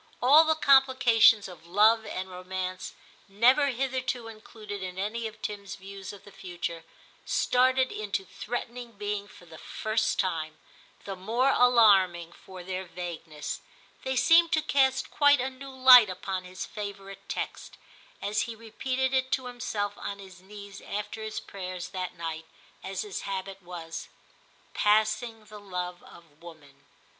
All the complications of love and romance, never hitherto included in any of Tim's views of the future, started into threatening being for the first time, the more alarming for their vagueness ; they seemed to cast quite a new light upon his favourite text, as he repeated it to himself on his knees after his prayers that night, as his habit was. * Passing the love of woman.